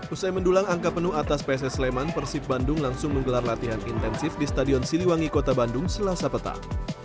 usai mendulang angka penuh atas pss leman persib bandung langsung menggelar latihan intensif di stadion siliwangi kota bandung selasa petang